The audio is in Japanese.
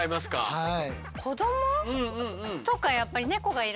はい。